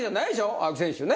青木選手ね。